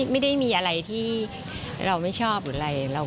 ไม่ได้มีอะไรที่เราไม่ชอบหรืออะไร